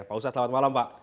pak ustadz selamat malam pak